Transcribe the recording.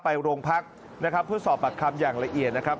ไปโรงพักนะครับเพื่อสอบปากคำอย่างละเอียดนะครับ